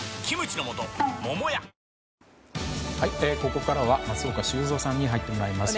ここからは松岡修造さんに入ってもらいます。